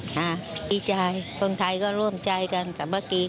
ดีใจคนไทยก็ร่วมใจกันกับเจ้ากัน